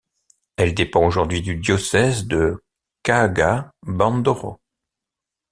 Elle dépend aujourd'hui du diocèse de Kaga-Bandoro.